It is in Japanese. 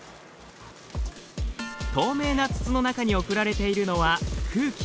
透明な筒の中に送られているのは空気。